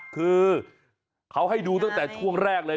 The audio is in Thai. คือเขาให้ดูตั้งแต่ช่วงแรกเลย